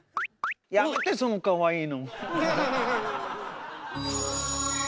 やめてそのかわいいの。